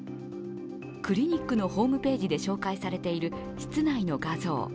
クリニックのホームページで紹介されている室内の画像。